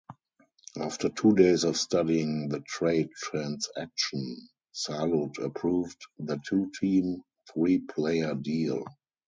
After two days of studying the trade transaction, Salud approved the two-team, three-player deal.